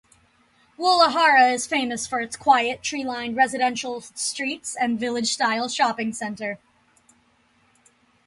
Woollahra is famous for its quiet, tree-lined residential streets and village-style shopping centre.